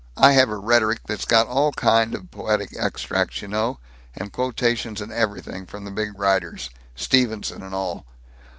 I have a rhetoric that's got all kind of poetic extracts, you know, and quotations and everything, from the big writers, Stevenson and all.